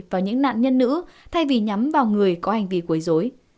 vào những nạn nhân nữ thay vì nhắm vào người có hành vi quấy dối